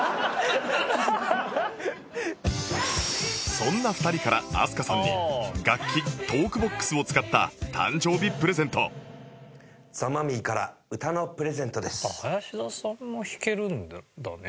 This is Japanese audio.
そんな２人から飛鳥さんに楽器トークボックスを使った誕生日プレゼントあっ林田さんも弾けるんだね。